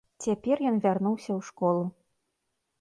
Цяпер ён вярнуўся ў школу.